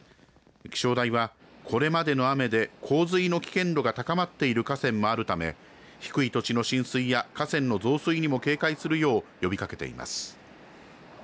気象台は、これまでの雨で洪水の危険度が高まっている河川もあるため低い土地の浸水や河川の増水にも警戒するよう呼びかけています。